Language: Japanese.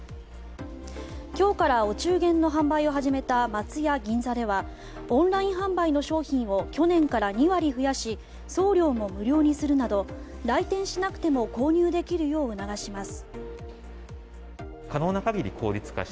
今日から、お中元の販売を始めた松屋銀座ではオンライン販売の商品を去年から２割増やし送料も無料にするなど来店しなくても購入できるよう促します。